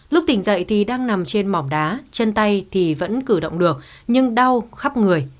lúc tỉnh dậy thì đang nằm trên mỏng đá chân tay thì vẫn cử động được nhưng đau khắp người